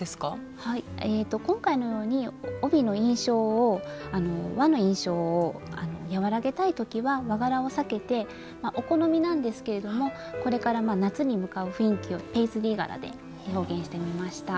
今回のように帯の印象を和の印象を和らげたい時は和柄を避けてお好みなんですけれどもこれから夏に向かう雰囲気をペイズリー柄で表現してみました。